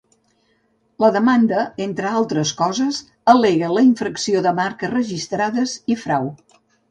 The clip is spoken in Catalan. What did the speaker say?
La demanda, entre altres coses, al·lega la infracció de marques registrades i frau.